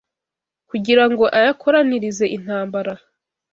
kugirango ayakoranirize intambara,